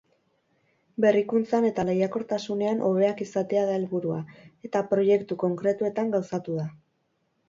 Berrikuntzan eta lehiakortasunean hobeak izatea da helburua, eta proiektu konkretuetan gauzatu da.